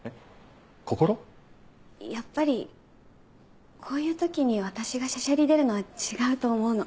やっぱりこういう時に私がしゃしゃり出るのは違うと思うの。